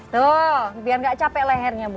tuh biar gak capek lehernya bu